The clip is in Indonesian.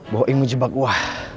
bawa imu jebak gua